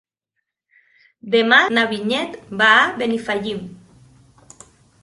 Demà na Vinyet va a Benifallim.